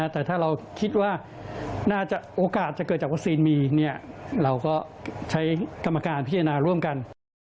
แต่ถ้าเราคิดว่าน่าจะโอกาสจะเกิดจากวัคซีนมีเราก็ใช้กรรมการพิจารณาร่วมกัน